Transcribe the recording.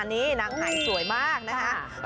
นี่นางหายสวยมากนะคะ